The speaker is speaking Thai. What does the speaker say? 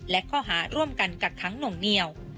และข้อหาร่วมกันกักค้างหน่วงเหนียว